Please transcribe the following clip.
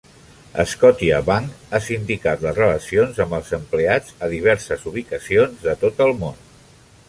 Scotiabank ha sindicat les relacions amb els empleats a diverses ubicacions de tot el món.